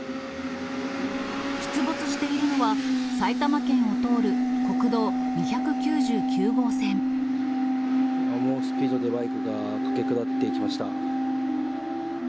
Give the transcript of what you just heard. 出没しているのは、猛スピードでバイクが駆け下っていきました。